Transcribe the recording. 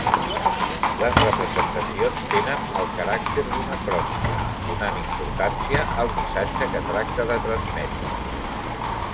Les representacions tenen el caràcter d'una crònica, donant importància al missatge que tracta de transmetre.